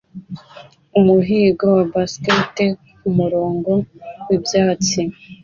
Umuhigo wa Basset kumurongo wibyatsi